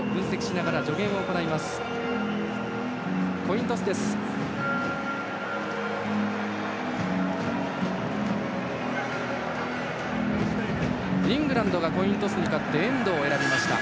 イングランドがコイントスに勝ってエンドを選びました。